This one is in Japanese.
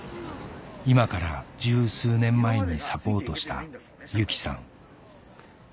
今から１０数年前にサポートしたユキさん